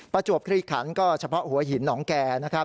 ประจวบคลีขันก็เฉพาะหัวหินหนองแก่นะครับ